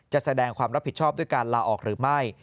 แสดงความรับผิดชอบด้วยการลาออกหรือไม่